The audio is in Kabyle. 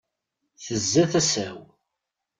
Tezza tasa-w.